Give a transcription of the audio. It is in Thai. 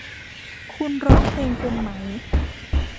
คุณร้องเพลงเป็นไหม